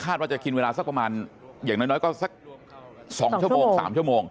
ว่าจะกินเวลาสักประมาณอย่างน้อยก็สัก๒ชั่วโมง๓ชั่วโมง